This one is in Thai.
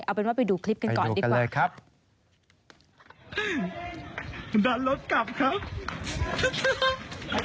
เอาเป็นว่าไปดูคลิปกันก่อนดีกว่า